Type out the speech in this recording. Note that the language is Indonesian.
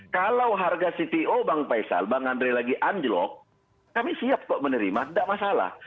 kalau harga cpo bang faisal bang andre lagi anjlok kami siap kok menerima tidak masalah